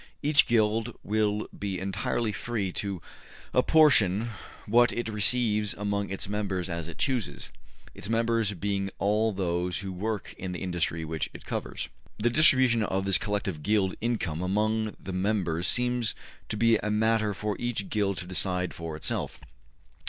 '' Each Guild will be entirely free to apportion what it receives among its members as it chooses, its members being all those who work in the industry which it covers. ``The distribution of this collective Guild income among the members seems to be a matter for each Guild to decide for itself.